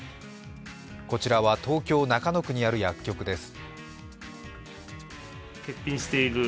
こちらは、東京・中野区にある薬局です。